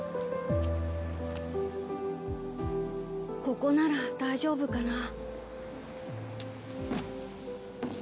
ここなら大丈夫かな。